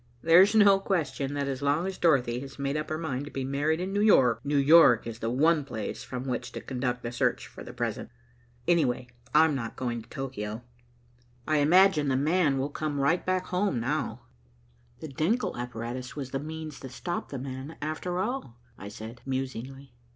"There is no question that as long as Dorothy has made up her mind to be married in New York, New York is the one place from which to conduct the search for the present. Anyway, I'm not going to Tokio. I imagine 'the man' will come right back home now." "The Denckel apparatus was the means that stopped 'the man,' after all," I said musingly.